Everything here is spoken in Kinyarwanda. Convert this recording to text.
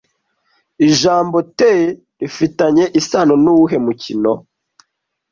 Ijambo 'Tee' rifitanye isano nuwuhe mukino